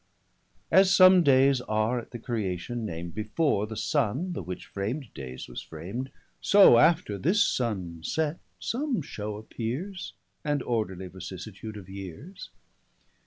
As some daies are at the Creation nam'd, Before the Sunne, the which fram'd daies, was fram'd, So after this Sunne's set, some shew appeares, 25 And orderly vicissitude of yeares.